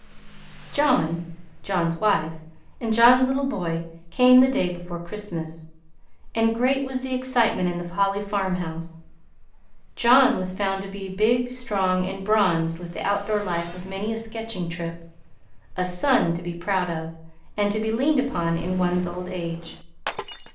John, John's wife, and John's boy came the day before Christmas, and great was the excitement in the Holly farmhouse. John was found to be big, strong, and bronzed with the outdoor life of many a sketching trip a son to be proud of, and to be leaned upon in one's old age.